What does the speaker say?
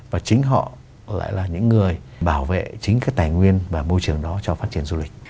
và chính họ lại là những người bảo vệ chính cái tài nguyên và môi trường đó cho phát triển du lịch